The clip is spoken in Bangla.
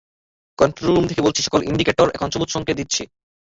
কন্ট্রোল রুম থেকে বলছি, সকল ইন্ডিকেটর এখন সবুজ সংকেত দিচ্ছে।